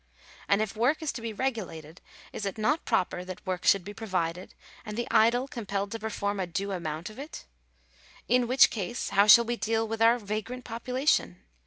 And if work is to be regulated, is it not proper that work should be provided, and the idle compelled to perform a due amount of it ? In which case how shall we deal with 'our vagrant population?